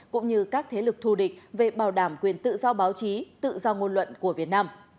cũng như các thế lực thù địch về bảo đảm quyền tự do báo chí tự do ngôn luận của việt nam